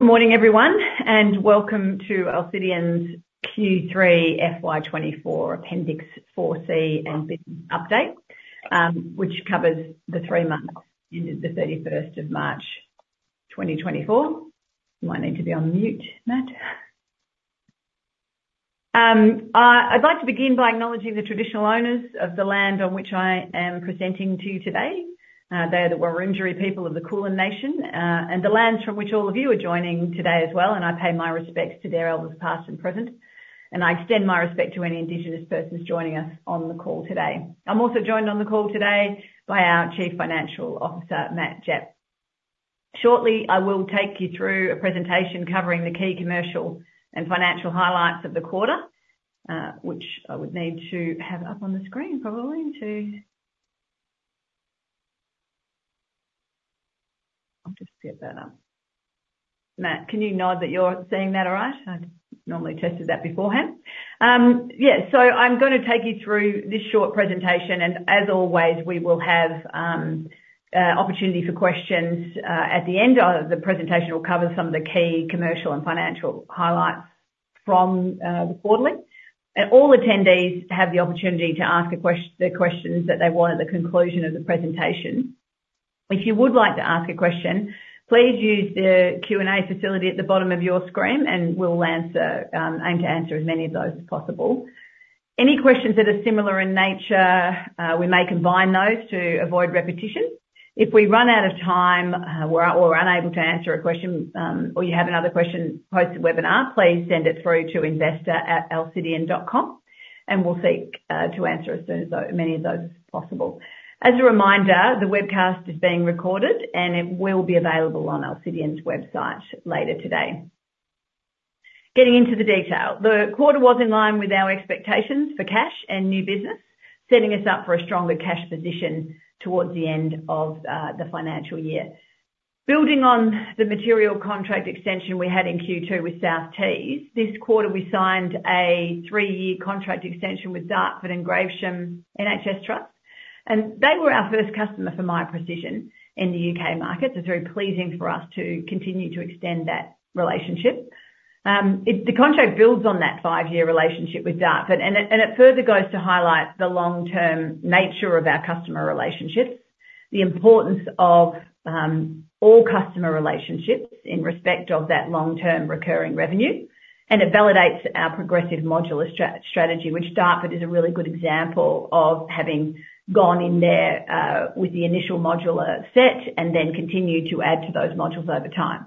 Good morning, everyone, and welcome to Alcidion's Q3 FY 2024 Appendix 4C and Business Update, which covers the three months ending the 31st of March, 2024. You might need to be on mute, Matt. I'd like to begin by acknowledging the traditional owners of the land on which I am presenting to you today. They are the Wurundjeri people of the Kulin Nation, and the lands from which all of you are joining today as well, and I pay my respects to their elders, past and present, and I extend my respect to any Indigenous persons joining us on the call today. I'm also joined on the call today by our Chief Financial Officer, Matt Japp. Shortly, I will take you through a presentation covering the key commercial and financial highlights of the quarter, which I would need to have up on the screen probably to... I'll just get that up. Matt, can you nod that you're seeing that all right? I've normally tested that beforehand. Yeah, so I'm gonna take you through this short presentation, and as always, we will have opportunity for questions at the end of the presentation. We'll cover some of the key commercial and financial highlights from the quarterly. And all attendees have the opportunity to ask the questions that they want at the conclusion of the presentation. If you would like to ask a question, please use the Q&A facility at the bottom of your screen, and we'll answer, aim to answer as many of those as possible. Any questions that are similar in nature, we may combine those to avoid repetition. If we run out of time, we're, or we're unable to answer a question, or you have another question post-webinar, please send it through to investor@alcidion.com, and we'll seek to answer as soon as possible. As a reminder, the webcast is being recorded, and it will be available on Alcidion's website later today. Getting into the detail. The quarter was in line with our expectations for cash and new business, setting us up for a stronger cash position towards the end of the financial year. Building on the material contract extension we had in Q2 with South Tees, this quarter, we signed a three-year contract extension with Dartford and Gravesham NHS Trust, and they were our first customer for Miya Precision in the UK market. It's very pleasing for us to continue to extend that relationship. The contract builds on that 5-year relationship with Dartford, and it further goes to highlight the long-term nature of our customer relationships, the importance of all customer relationships in respect of that long-term recurring revenue, and it validates our progressive modular strategy, which Dartford is a really good example of having gone in there with the initial modular set, and then continued to add to those modules over time.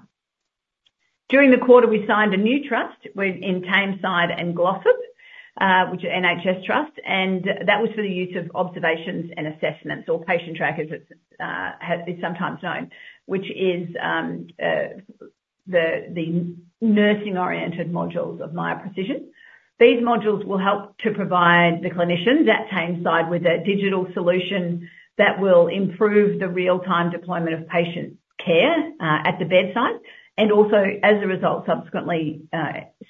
During the quarter, we signed a new trust with in Tameside and Glossop, which are NHS trusts, and that was for the use of observations and assessments or Patientrack, as it is sometimes known, which is the nursing-oriented modules of Miya Precision. These modules will help to provide the clinicians at Tameside with a digital solution that will improve the real-time deployment of patient care, at the bedside, and also, as a result, subsequently,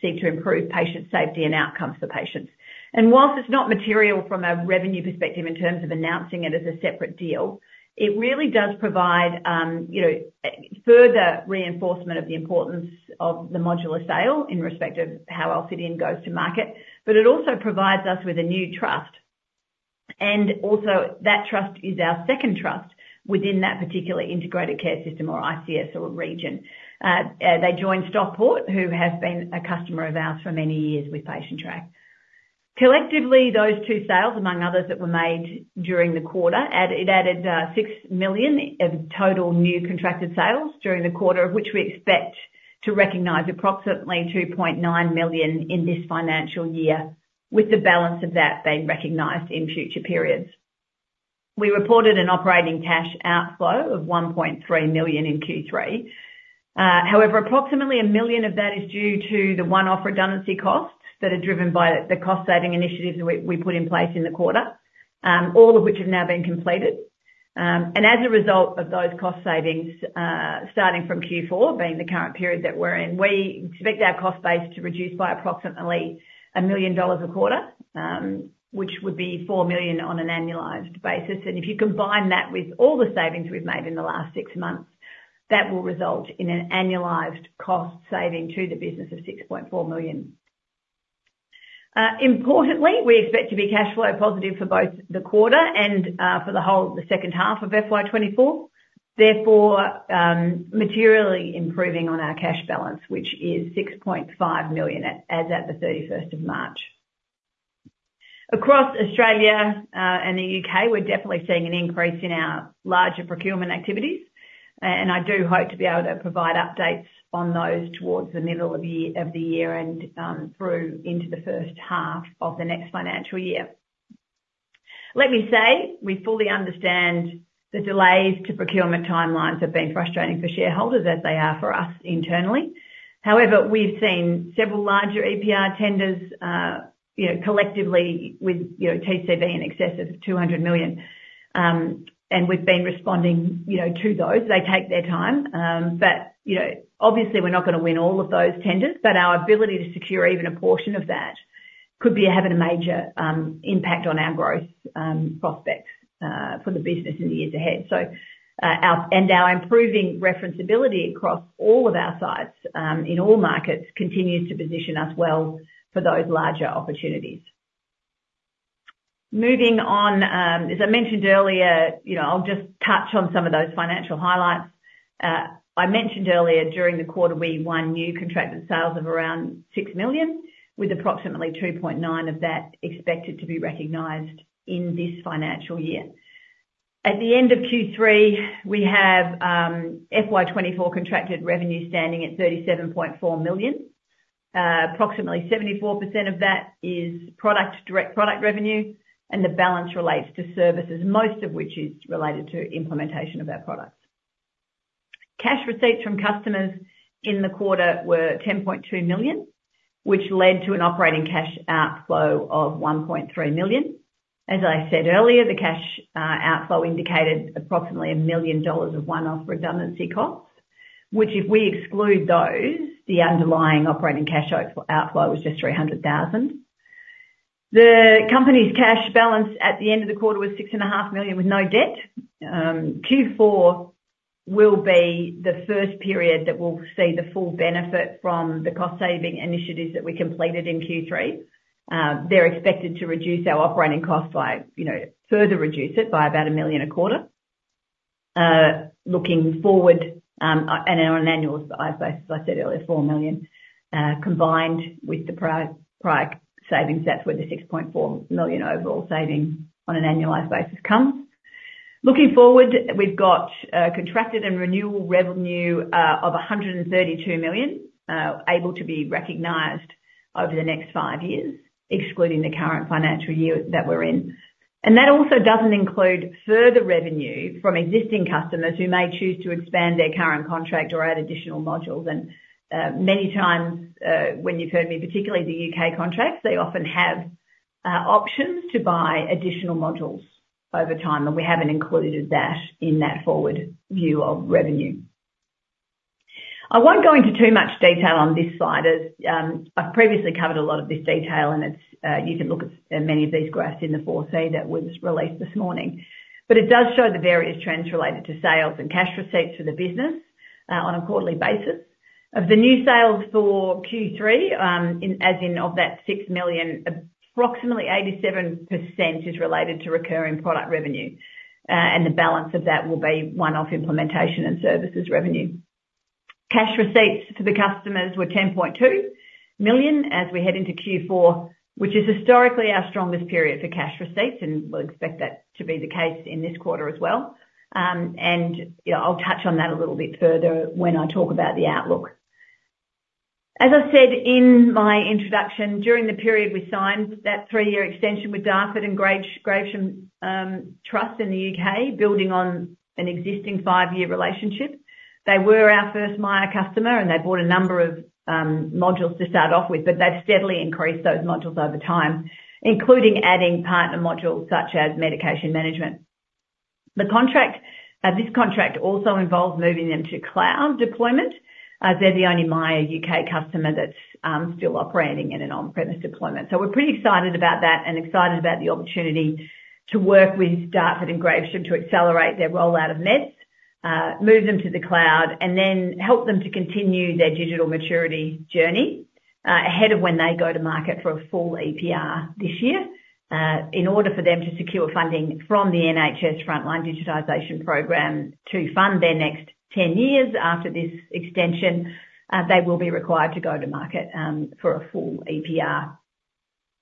seek to improve patient safety and outcomes for patients. While it's not material from a revenue perspective in terms of announcing it as a separate deal, it really does provide, you know, further reinforcement of the importance of the modular sale in respect of how Alcidion goes to market, but it also provides us with a new trust. Also, that trust is our second trust within that particular integrated care system or ICS or region. They joined Stockport, who has been a customer of ours for many years with Patientrack. Collectively, those two sales, among others that were made during the quarter, it added 6 million of total new contracted sales during the quarter, of which we expect to recognize approximately 2.9 million in this financial year, with the balance of that being recognized in future periods. We reported an operating cash outflow of 1.3 million in Q3. However, approximately 1 million of that is due to the one-off redundancy costs that are driven by the cost-saving initiatives that we put in place in the quarter, all of which have now been completed. And as a result of those cost savings, starting from Q4, being the current period that we're in, we expect our cost base to reduce by approximately 1 million dollars a quarter, which would be 4 million on an annualized basis. And if you combine that with all the savings we've made in the last six months, that will result in an annualized cost saving to the business of 6.4 million. Importantly, we expect to be cash flow positive for both the quarter and for the whole, the second half of FY 2024. Therefore, materially improving on our cash balance, which is 6.5 million as at the 31 of March. Across Australia and the UK, we're definitely seeing an increase in our larger procurement activities, and I do hope to be able to provide updates on those towards the middle of the year, of the year and through into the first half of the next financial year. Let me say, we fully understand the delays to procurement timelines have been frustrating for shareholders, as they are for us internally. However, we've seen several larger EPR tenders, you know, collectively with, you know, TCV in excess of 200 million, and we've been responding, you know, to those. They take their time, but, you know, obviously, we're not gonna win all of those tenders, but our ability to secure even a portion of that could be having a major, impact on our growth, prospects, for the business in the years ahead. So, and our improving referenceability across all of our sites, in all markets, continues to position us well for those larger opportunities. Moving on, as I mentioned earlier, you know, I'll just touch on some of those financial highlights. I mentioned earlier, during the quarter, we won new contracted sales of around 6 million, with approximately 2.9 million of that expected to be recognized in this financial year. At the end of Q3, we have FY 2024 contracted revenue standing at 37.4 million. Approximately 74% of that is product, direct product revenue, and the balance relates to services, most of which is related to implementation of our products. Cash receipts from customers in the quarter were 10.2 million, which led to an operating cash outflow of 1.3 million. As I said earlier, the cash outflow indicated approximately 1 million dollars of one-off redundancy costs, which if we exclude those, the underlying operating cash outflow was just 300,000. The company's cash balance at the end of the quarter was 6.5 million, with no debt. Q4 will be the first period that we'll see the full benefit from the cost saving initiatives that we completed in Q3. They're expected to reduce our operating costs by, you know, further reduce it by about 1 million a quarter. Looking forward, and on an annual basis, as I said earlier, 4 million, combined with the prior savings, that's where the 6.4 million overall saving on an annualized basis comes. Looking forward, we've got contracted and renewal revenue of 132 million able to be recognized over the next 5 years, excluding the current financial year that we're in. That also doesn't include further revenue from existing customers who may choose to expand their current contract or add additional modules. Many times, when you've heard me, particularly the UK contracts, they often have options to buy additional modules over time, and we haven't included that in that forward view of revenue. I won't go into too much detail on this slide, as I've previously covered a lot of this detail, and it's you can look at many of these graphs in the 4C that was released this morning. But it does show the various trends related to sales and cash receipts for the business on a quarterly basis. Of the new sales for Q3, of that 6 million, approximately 87% is related to recurring product revenue, and the balance of that will be one-off implementation and services revenue. Cash receipts to the customers were 10.2 million as we head into Q4, which is historically our strongest period for cash receipts, and we'll expect that to be the case in this quarter as well. And, you know, I'll touch on that a little bit further when I talk about the outlook. As I said in my introduction, during the period, we signed that 3-year extension with Dartford and Gravesham Trust in the UK, building on an existing 5-year relationship. They were our first Miya customer, and they bought a number of modules to start off with, but they've steadily increased those modules over time, including adding partner modules such as medication management. The contract, this contract also involves moving them to cloud deployment. They're the only Miya UK customer that's still operating in an on-premise deployment. So we're pretty excited about that and excited about the opportunity to work with Dartford and Gravesham to accelerate their rollout of Meds, move them to the cloud, and then help them to continue their digital maturity journey, ahead of when they go to market for a full EPR this year. In order for them to secure funding from the NHS Frontline Digitisation Program to fund their next ten years after this extension, they will be required to go to market for a full EPR.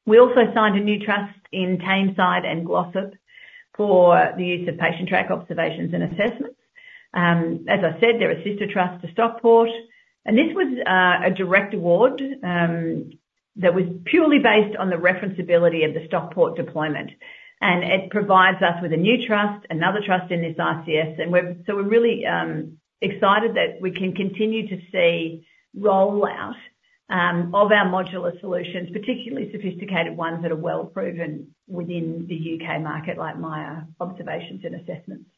We also signed a new trust in Tameside and Glossop for the use of Patientrack observations and assessments. As I said, they're a sister trust to Stockport, and this was a direct award that was purely based on the referenceability of the Stockport deployment. And it provides us with a new trust, another trust in this ICS, and so we're really excited that we can continue to see rollout of our modular solutions, particularly sophisticated ones that are well proven within the UK market, like Miya Observations and Assessments.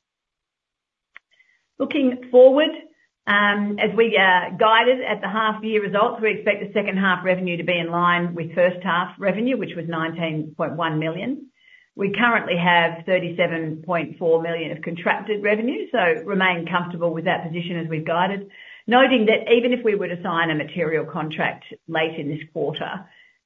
Looking forward, as we guided at the half year results, we expect the second half revenue to be in line with first half revenue, which was 19.1 million. We currently have 37.4 million of contracted revenue, so remain comfortable with that position as we've guided. Noting that even if we were to sign a material contract late in this quarter,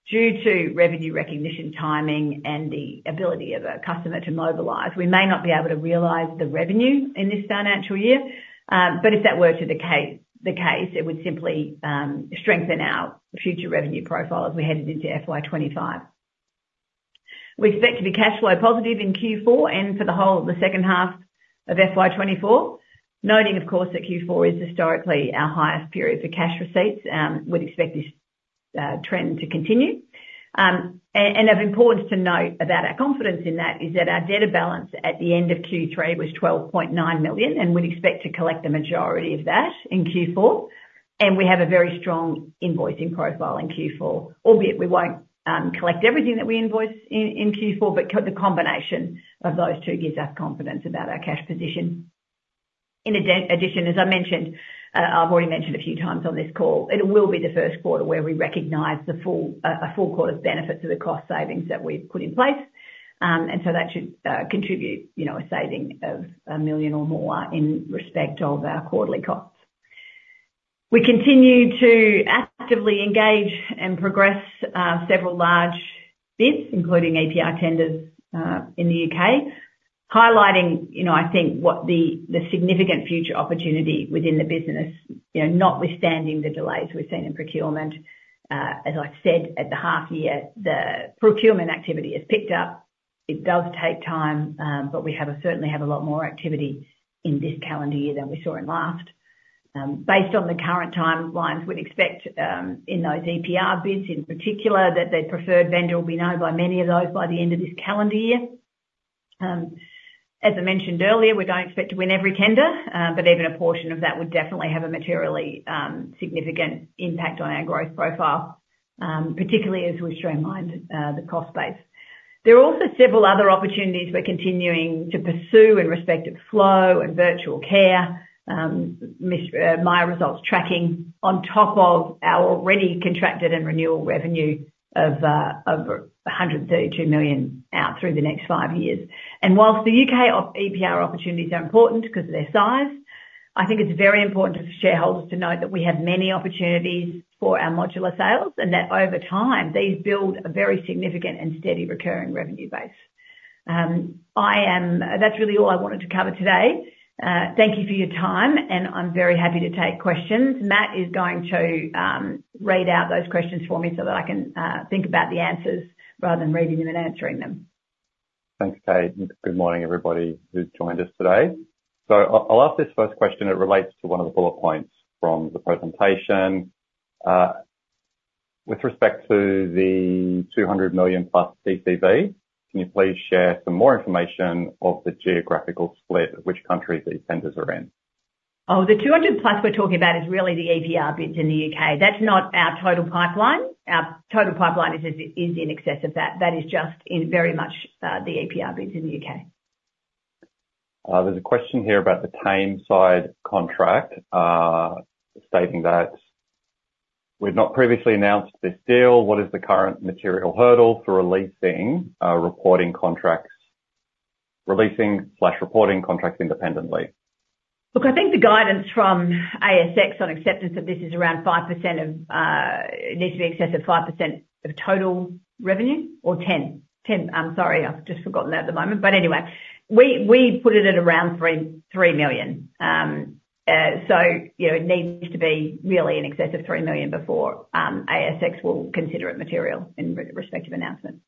due to revenue recognition, timing, and the ability of a customer to mobilize, we may not be able to realize the revenue in this financial year. But if that were the case, it would simply strengthen our future revenue profile as we headed into FY 2025. We expect to be cash flow positive in Q4 and for the whole second half of FY 2024. Noting, of course, that Q4 is historically our highest period for cash receipts, we'd expect this trend to continue. And of importance to note about our confidence in that is that our debtor balance at the end of Q3 was 12.9 million, and we'd expect to collect the majority of that in Q4. We have a very strong invoicing profile in Q4, albeit we won't collect everything that we invoice in Q4, but the combination of those two gives us confidence about our cash position. In addition, as I mentioned, I've already mentioned a few times on this call, it will be the first quarter where we recognize the full, a full quarter's benefit to the cost savings that we've put in place. And so that should contribute, you know, a saving of 1 million or more in respect of our quarterly costs. We continue to actively engage and progress several large bids, including EPR tenders in the UK, highlighting, you know, I think what the significant future opportunity within the business, you know, notwithstanding the delays we've seen in procurement. As I've said, at the half year, the procurement activity has picked up. It does take time, but we certainly have a lot more activity in this calendar year than we saw in last. Based on the current timelines, we'd expect in those EPR bids in particular, that the preferred vendor will be known by many of those by the end of this calendar year. As I mentioned earlier, we don't expect to win every tender, but even a portion of that would definitely have a materially significant impact on our growth profile, particularly as we've streamlined the cost base. There are also several other opportunities we're continuing to pursue in respect of flow and virtual care. Miya Results Tracking on top of our already contracted and renewal revenue of over 132 million out through the next five years. While the UK EPR opportunities are important because of their size, I think it's very important for shareholders to know that we have many opportunities for our modular sales, and that over time, these build a very significant and steady recurring revenue base. That's really all I wanted to cover today. Thank you for your time, and I'm very happy to take questions. Matt is going to read out those questions for me so that I can think about the answers rather than reading them and answering them. Thanks, Kate. Good morning, everybody who's joined us today. So I, I'll ask this first question. It relates to one of the bullet points from the presentation. With respect to the 200 million+ TCV, can you please share some more information of the geographical split, which countries these tenders are in? Oh, the 200+ we're talking about is really the EPR bids in the UK. That's not our total pipeline. Our total pipeline is, is in excess of that. That is just in very much the EPR bids in the UK. There's a question here about the Tameside contract, stating that we've not previously announced this deal. What is the current material hurdle for releasing reporting contracts-releasing/reporting contracts independently? Look, I think the guidance from ASX on acceptance of this is around 5% of. It needs to be in excess of 5% of total revenue or 10? 10. I'm sorry, I've just forgotten that at the moment. But anyway, we, we put it at around 3 million. So, you know, it needs to be really in excess of 3 million before ASX will consider it material in respective announcement.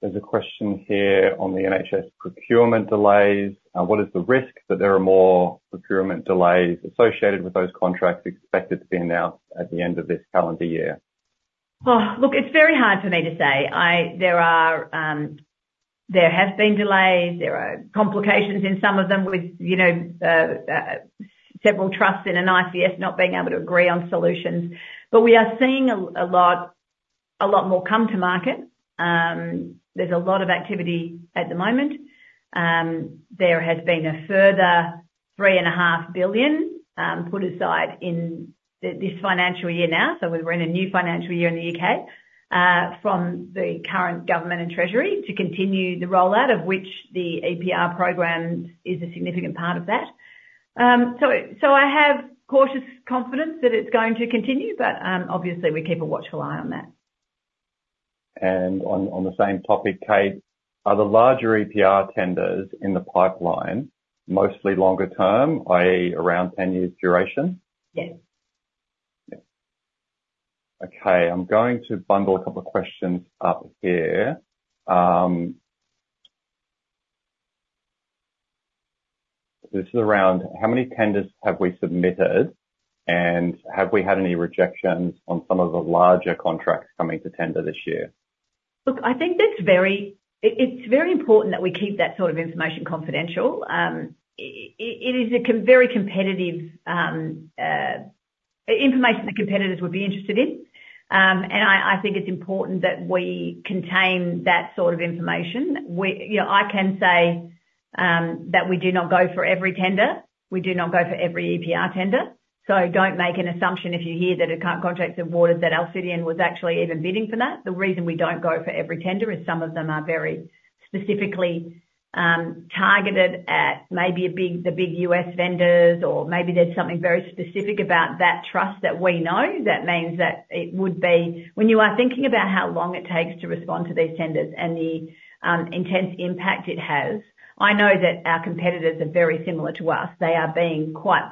There's a question here on the NHS procurement delays. What is the risk that there are more procurement delays associated with those contracts expected to be announced at the end of this calendar year? Oh, look, it's very hard for me to say. There are, there have been delays. There are complications in some of them with, you know, several trusts in an ICS not being able to agree on solutions. But we are seeing a lot more come to market. There's a lot of activity at the moment. There has been a further 3.5 billion put aside in this financial year now, so we're in a new financial year in the UK, from the current government and treasury to continue the rollout, of which the EPR program is a significant part of that. So, so I have cautious confidence that it's going to continue, but, obviously we keep a watchful eye on that. On the same topic, Kate, are the larger EPR tenders in the pipeline, mostly longer term, i.e., around 10 years duration? Yes. Yeah. Okay, I'm going to bundle a couple of questions up here. This is around how many tenders have we submitted, and have we had any rejections on some of the larger contracts coming to tender this year? Look, I think that's very important that we keep that sort of information confidential. It's very important that we keep that sort of information confidential. It is very competitive information that competitors would be interested in. And I think it's important that we contain that sort of information. You know, I can say that we do not go for every tender. We do not go for every EPR tender. So don't make an assumption if you hear that a contract is awarded, that Alcidion was actually even bidding for that. The reason we don't go for every tender is some of them are very specifically targeted at maybe the big US vendors, or maybe there's something very specific about that trust that we know. When you are thinking about how long it takes to respond to these tenders and the intense impact it has, I know that our competitors are very similar to us. They are being quite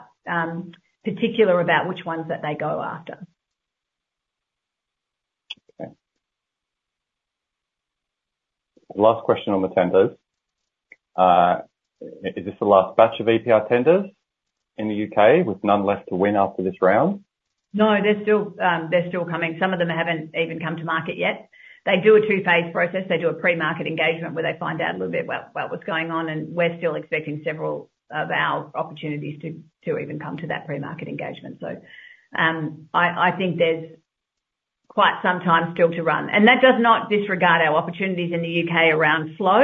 particular about which ones that they go after. Okay. Last question on the tenders. Is this the last batch of EPR tenders in the UK, with none left to win after this round? No, they're still, they're still coming. Some of them haven't even come to market yet. They do a two-phase process. They do a pre-market engagement, where they find out a little bit about, about what's going on, and we're still expecting several of our opportunities to, to even come to that pre-market engagement. So, I think there's quite some time still to run. And that does not disregard our opportunities in the UK around flow,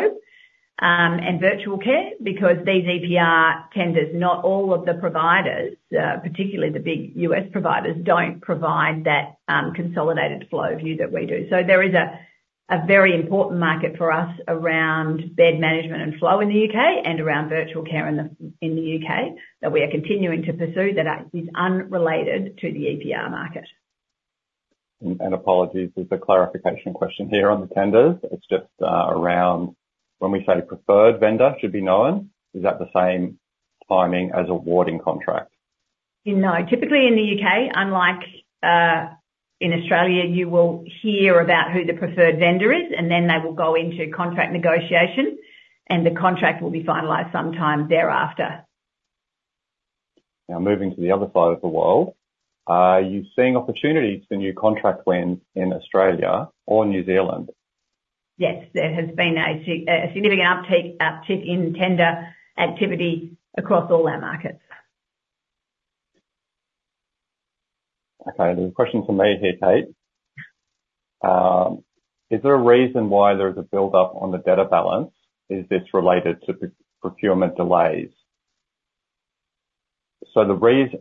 and virtual care, because these EPR tenders, not all of the providers, particularly the big US providers, don't provide that, consolidated flow view that we do. So there is a very important market for us around bed management and flow in the UK and around virtual care in the UK, that we are continuing to pursue that are, is unrelated to the EPR market. Apologies, there's a clarification question here on the tenders. It's just around when we say preferred vendor should be known, is that the same timing as awarding contract? No. Typically, in the UK, unlike in Australia, you will hear about who the preferred vendor is, and then they will go into contract negotiation, and the contract will be finalized sometime thereafter. Now, moving to the other side of the world, are you seeing opportunities for new contract wins in Australia or New Zealand? Yes, there has been a significant uptake, uptick in tender activity across all our markets. Okay. There's a question for me here, Kate. Is there a reason why there is a build-up on the debtor balance? Is this related to procurement delays? So the reason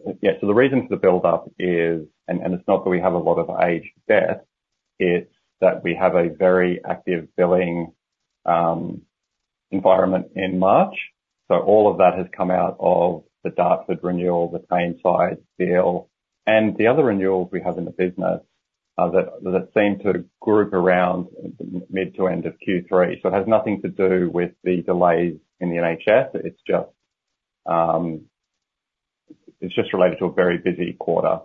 for the build-up is, and it's not that we have a lot of aged debt, it's that we have a very active billing environment in March. So all of that has come out of the Dartford renewal, the PAS side deal, and the other renewals we have in the business, that seem to group around mid to end of Q3. So it has nothing to do with the delays in the NHS. It's just related to a very busy quarter.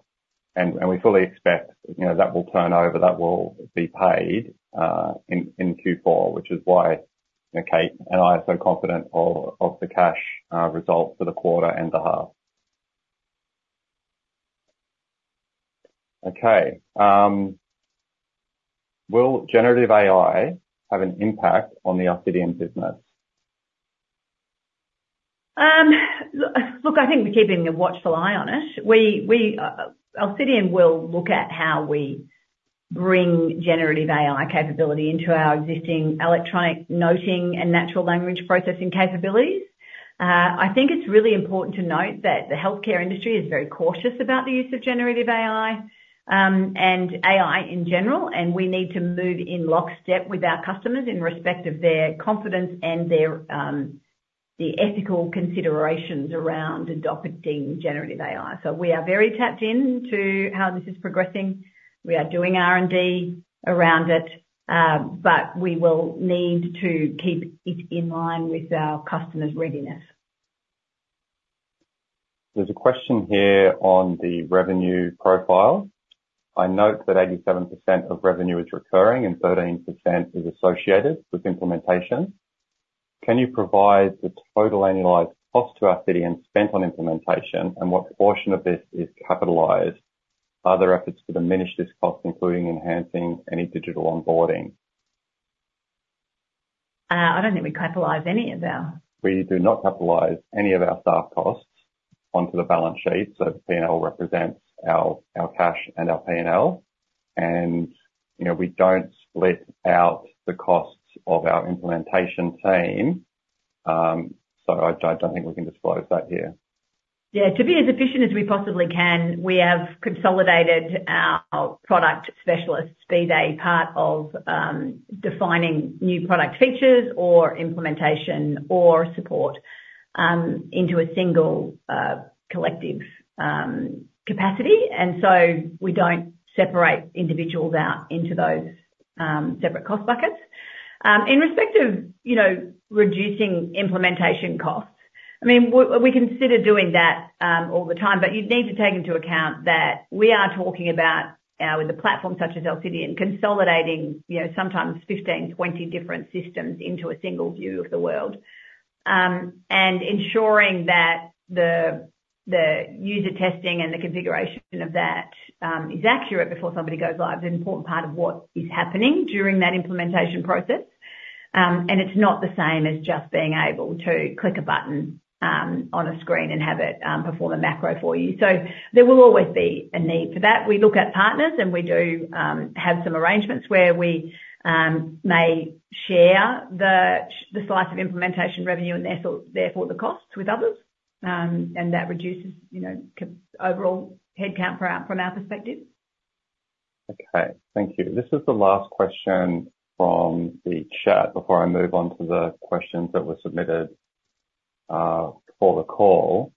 And we fully expect, you know, that will turn over, that will be paid in Q4, which is why, you know, Kate and I are so confident of the cash result for the quarter and the half. Okay, will generative AI have an impact on the Alcidion business? Look, I think we're keeping a watchful eye on it. We Alcidion will look at how we bring generative AI capability into our existing electronic noting and natural language processing capabilities. I think it's really important to note that the healthcare industry is very cautious about the use of generative AI, and AI in general, and we need to move in lockstep with our customers in respect of their confidence and their the ethical considerations around adopting generative AI. So we are very tapped in to how this is progressing. We are doing R&D around it, but we will need to keep it in line with our customers' readiness. There's a question here on the revenue profile. I note that 87% of revenue is recurring and 13% is associated with implementation. Can you provide the total annualized cost to Alcidion spent on implementation, and what portion of this is capitalized? Are there efforts to diminish this cost, including enhancing any digital onboarding? I don't think we capitalize any of our- We do not capitalize any of our staff costs onto the balance sheet, so P&L represents our cash and our P&L. You know, we don't split out the costs of our implementation team, so I don't think we can disclose that here. Yeah, to be as efficient as we possibly can, we have consolidated our product specialists, be they part of, defining new product features or implementation or support, into a single, collective, capacity, and so we don't separate individuals out into those, separate cost buckets. In respect of, you know, reducing implementation costs, I mean, we consider doing that, all the time, but you'd need to take into account that we are talking about, with a platform such as Alcidion, consolidating, you know, sometimes 15, 20 different systems into a single view of the world. And ensuring that the user testing and the configuration of that, is accurate before somebody goes live, is an important part of what is happening during that implementation process. It's not the same as just being able to click a button on a screen and have it perform a macro for you. So there will always be a need for that. We look at partners, and we do have some arrangements where we may share the slice of implementation revenue, and therefore the costs with others. And that reduces, you know, overall headcount from our perspective. Okay, thank you. This is the last question from the chat before I move on to the questions that were submitted for the call.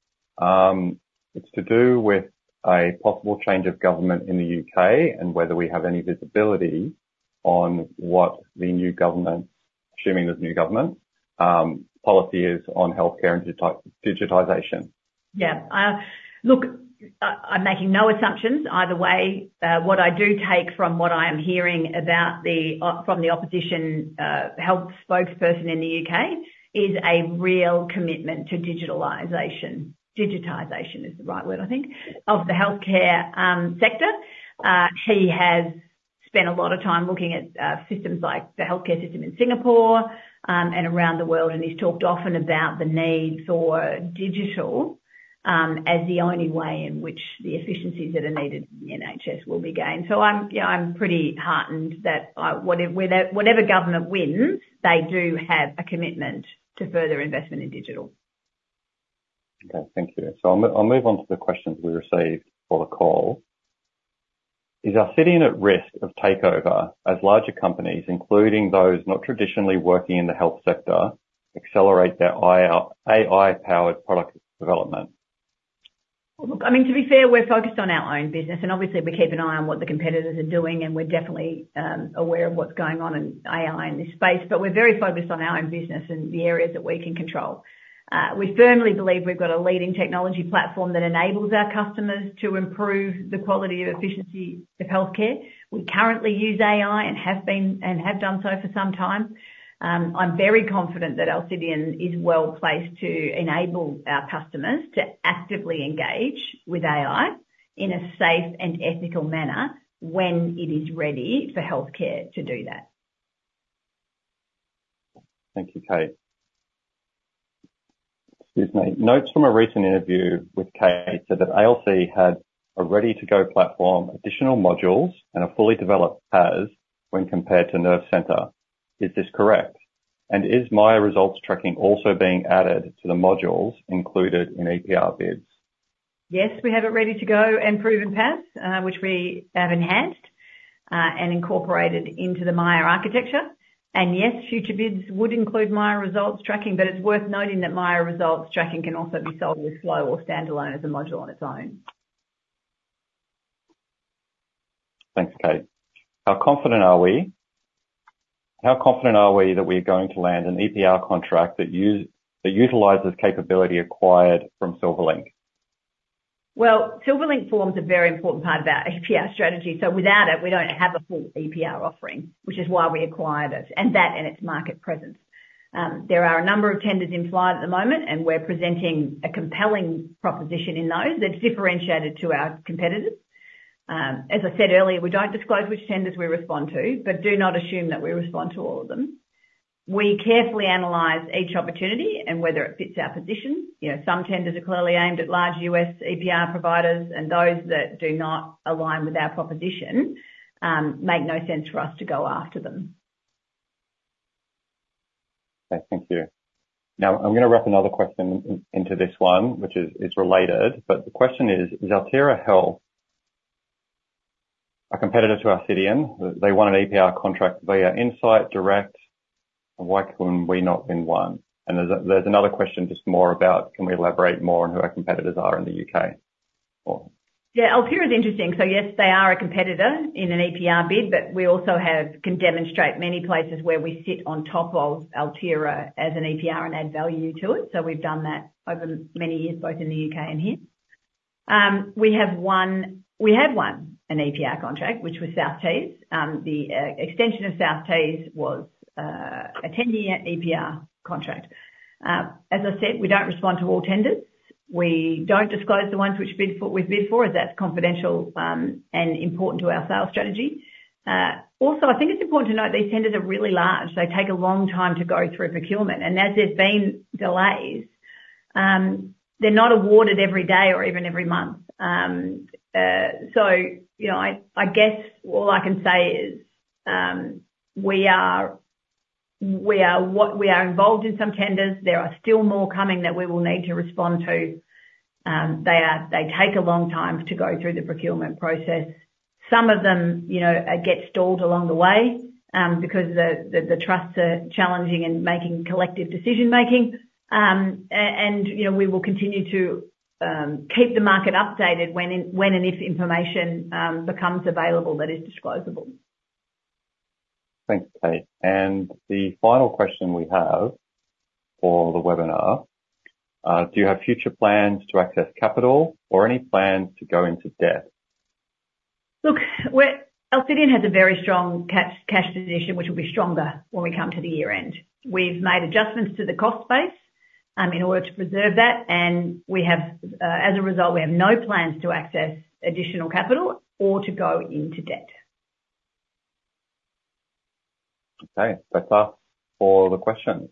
It's to do with a possible change of government in the UK, and whether we have any visibility on what the new government, assuming there's new government, policy is on healthcare and digitization. Yeah. Look, I'm making no assumptions either way. What I do take from what I am hearing about the opposition health spokesperson in the UK is a real commitment to digitalization. Digitization is the right word, I think, of the healthcare sector. He has spent a lot of time looking at systems like the healthcare system in Singapore and around the world, and he's talked often about the needs for digitization as the only way in which the efficiencies that are needed in the NHS will be gained. So, yeah, I'm pretty heartened that whatever government wins, they do have a commitment to further investment in digital. Okay, thank you. So I'll, I'll move on to the questions we received for the call. Is Alcidion at risk of takeover as larger companies, including those not traditionally working in the health sector, accelerate their AI-powered product development? Well, look, I mean, to be fair, we're focused on our own business, and obviously we keep an eye on what the competitors are doing, and we're definitely aware of what's going on in AI in this space. But we're very focused on our own business and the areas that we can control. We firmly believe we've got a leading technology platform that enables our customers to improve the quality of efficiency of healthcare. We currently use AI and have been and have done so for some time. I'm very confident that Alcidion is well-placed to enable our customers to actively engage with AI in a safe and ethical manner when it is ready for healthcare to do that. Thank you, Kate. Excuse me. Notes from a recent interview with Kate said that ALC had a ready-to-go platform, additional modules, and a fully developed PAS when compared to Nervecentre. Is this correct? And is Miya Results Tracking also being added to the modules included in EPR bids? Yes, we have it ready to go and proven PAS, which we have enhanced and incorporated into the Miya architecture. Yes, future bids would include Miya Results Tracking, but it's worth noting that Miya Results Tracking can also be sold with Flow or standalone as a module on its own. Thanks, Kate. How confident are we that we're going to land an EPR contract that utilizes capability acquired from Silverlink? Well, Silverlink forms a very important part of our EPR strategy, so without it, we don't have a full EPR offering, which is why we acquired it, and that and its market presence. There are a number of tenders in flight at the moment, and we're presenting a compelling proposition in those that's differentiated to our competitors. As I said earlier, we don't disclose which tenders we respond to, but do not assume that we respond to all of them. We carefully analyze each opportunity and whether it fits our position. You know, some tenders are clearly aimed at large US EPR providers, and those that do not align with our proposition make no sense for us to go after them. Okay, thank you. Now, I'm gonna wrap another question into this one, which is related, but the question is: Is Altera Digital Health a competitor to Alcidion? They won an EPR contract via Insight Direct, and why can we not win one? And there's another question just more about, can we elaborate more on who our competitors are in the UK? Yeah, Altera is interesting. So yes, they are a competitor in an EPR bid, but we also can demonstrate many places where we sit on top of Altera as an EPR and add value to it, so we've done that over many years, both in the UK and here. We had won an EPR contract, which was South Tees. The extension of South Tees was a 10-year EPR contract. As I said, we don't respond to all tenders. We don't disclose the ones which we've bid for, as that's confidential and important to our sales strategy. Also, I think it's important to note these tenders are really large. They take a long time to go through procurement, and as there's been delays, they're not awarded every day or even every month. So, you know, I guess all I can say is we are involved in some tenders. There are still more coming that we will need to respond to. They take a long time to go through the procurement process. Some of them, you know, get stalled along the way because the trusts are challenging and making collective decision-making. And, you know, we will continue to keep the market updated when and if information becomes available that is disclosable. Thanks, Kate. The final question we have for the webinar: Do you have future plans to access capital or any plans to go into debt? Look, Alcidion has a very strong cash position, which will be stronger when we come to the year end. We've made adjustments to the cost base, in order to preserve that, and as a result, we have no plans to access additional capital or to go into debt. Okay. That's all for the questions.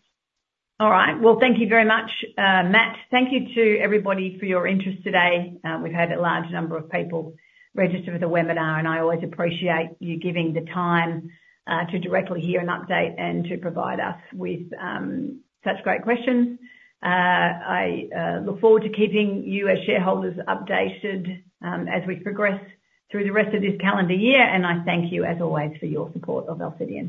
All right. Well, thank you very much, Matt. Thank you to everybody for your interest today. We've had a large number of people register for the webinar, and I always appreciate you giving the time to directly hear an update and to provide us with such great questions. I look forward to keeping you, as shareholders, updated as we progress through the rest of this calendar year, and I thank you, as always, for your support of Alcidion.